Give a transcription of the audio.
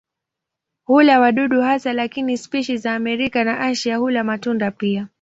Hula wadudu hasa lakini spishi za Amerika na Asia hula matunda pia.